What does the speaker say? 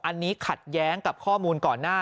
อันนี้ขัดแย้งกับข้อมูลก่อนหน้า